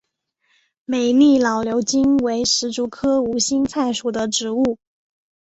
美丽老牛筋为石竹科无心菜属的植物。